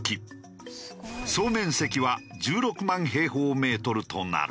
総面積は１６万平方メートルとなる。